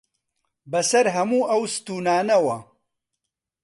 بەسەر هەموو ئەو ستوونانەوە